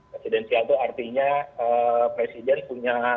presidensial itu artinya presiden punya